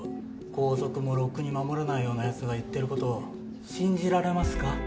校則もろくに守れないようなヤツが言ってることを信じられますか？